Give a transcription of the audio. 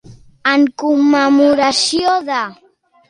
En commemoració de.